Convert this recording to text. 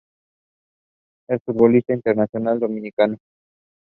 Es un futbolista internacional dominicano.